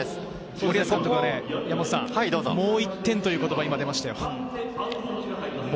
森保監督はもう１点という言葉が出ました。